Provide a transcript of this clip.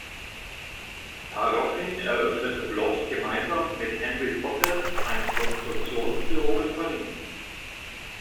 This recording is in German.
Daraufhin eröffnete Bloch gemeinsam mit Henry Potez ein Konstruktionsbüro in Paris.